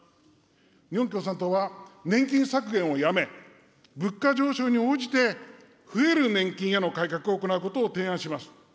日本共産党は年金削減をやめ、物価上昇に応じて、増える年金への改革を行うことを提案します。